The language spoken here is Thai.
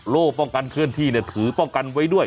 โล่ป้องกันเครื่องที่ถือป้องกันไว้ด้วย